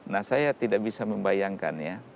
nah saya tidak bisa membayangkan ya